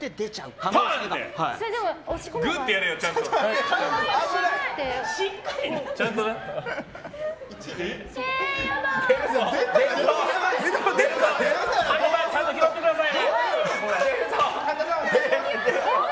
神田さんちゃんと拾ってくださいよ！